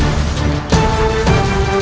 aku akan pergi ke istana yang lain